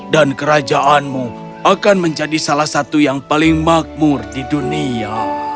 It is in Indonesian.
dan kerajaanmu akan menjadi salah satu yang paling makmur di dunia